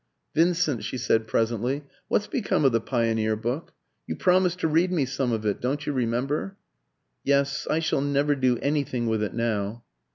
"Vincent," she said presently, "what's become of the Pioneer book? You promised to read me some of it don't you remember?" "Yes. I shall never do anything with it now."